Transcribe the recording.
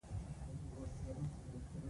کاوه او ضحاک افسانې دلته رامینځته شوې